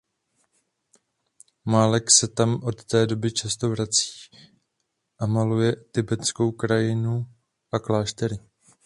Málek se tam od té doby často vrací a maluje tibetskou krajinu a kláštery.